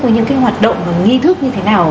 với những hoạt động và nghi thức như thế nào